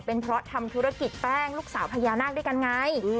เป็นเพราะทำธุรกิจแป้งลูกสาวพญานาคด้วยกันไง